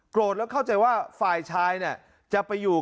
โกรธแล้วเข้าใจว่าฝ่ายชายเนี่ย